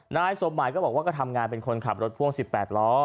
นายสมหมายก็บอกว่าก็ทำงานเป็นคนขับรถพ่วง๑๘ล้อ